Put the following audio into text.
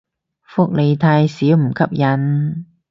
福利太少唔吸引